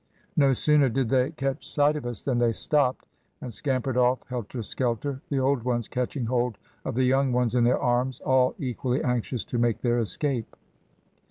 No sooner did they catch sight of us than they stopped, and scampered off helter skelter, the old ones catching hold of the young ones in their arms, all equally anxious to make their escape.